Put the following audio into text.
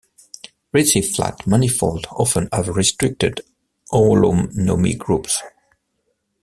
Ricci-flat manifolds often have restricted holonomy groups.